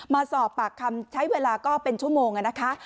มาสอบปากคำใช้เวลาก็เป็นชั่วโมงนะคะ